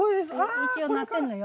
一応なってるのよ。